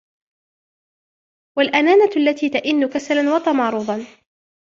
وَالْأَنَّانَةُ الَّتِي تَئِنُّ كَسَلًا وَتَمَارُضًا